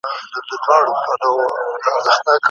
نه مرمۍ نه به توپک وي نه به وېره له مردک وي